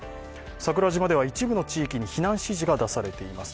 桜島では一部の地域に避難指示が出されています。